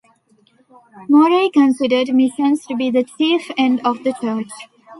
Murray considered missions to be "the chief end of the church".